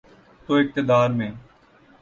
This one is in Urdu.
تو اقتدار میں۔